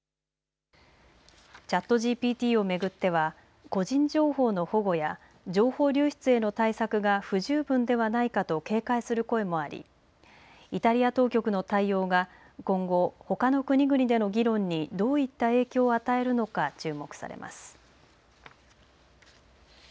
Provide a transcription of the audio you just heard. ＣｈａｔＧＰＴを巡っては個人情報の保護や情報流出への対策が不十分ではないかと警戒する声もありイタリア当局の対応が今後、ほかの国々での議論にどういった影響を与えるのか注目されます。